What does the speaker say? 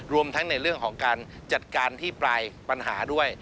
รวมทั้งในเรื่องของการจัดการที่ปลายปัญหาด้วย